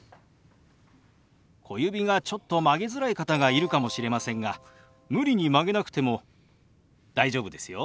小指がちょっと曲げづらい方がいるかもしれませんが無理に曲げなくても大丈夫ですよ。